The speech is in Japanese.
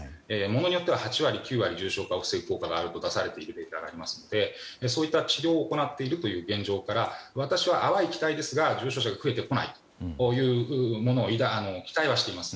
ものによっては８割、９割重症化を防ぐ効果が出されていますのでデータがありますのでそういった治療を行っているという現状から私は、淡い期待ですが重症が増えてこないことを期待しています。